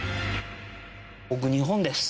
僕日本です。